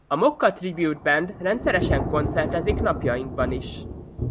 A Mokka Tribute Band rendszeresen koncertezik napjainkban is.